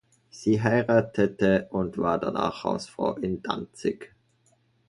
Sie heiratete und war danach Hausfrau in Danzig.